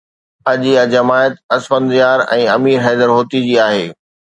اڄ اها جماعت اسفند يار ۽ امير حيدر هوتي جي آهي.